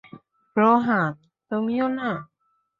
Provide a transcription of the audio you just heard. রোহান, তুমিও না।